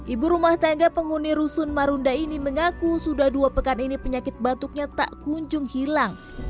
ibu rumah tangga penghuni rusun marunda ini mengaku sudah dua pekan ini penyakit batuknya tak kunjung hilang